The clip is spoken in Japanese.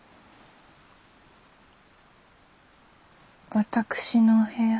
私のお部屋